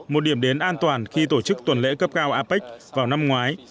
một điểm đến an toàn khi tổ chức tuần lễ cấp cao apec vào năm ngoái